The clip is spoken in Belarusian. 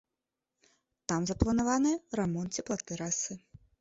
Там запланаваны рамонт цеплатрасы.